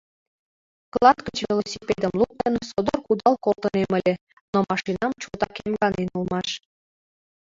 Клат гыч велосипедым луктын, содор кудал колтынем ыле, но машинам чотак эмганен улмаш.